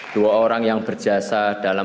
dua orang yang berjasa dalam